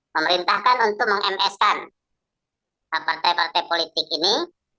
memerintahkan untuk meng ms kan partai partai politik ini